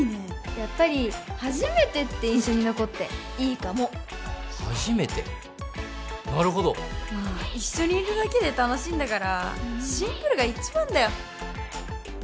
やっぱり初めてって印象に残っていいかも初めてなるほど一緒にいるだけで楽しいんだからシンプルが一番だよ